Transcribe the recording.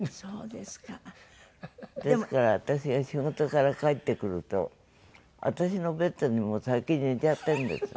ですから私が仕事から帰ってくると私のベッドにもう先に寝ちゃってるんですよ。